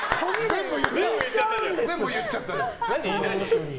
全部言っちゃった。